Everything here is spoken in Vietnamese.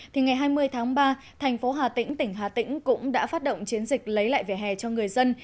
thì ngày hai mươi tháng ba thành phố hà tĩnh tỉnh hà tĩnh cũng đã phát động chiến dịch lấy lại vẻ hè cho người dân